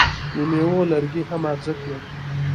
د میوو لرګي هم ارزښت لري.